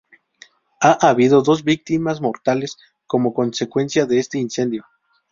Ha habido dos víctimas mortales como consecuencia de este incendio.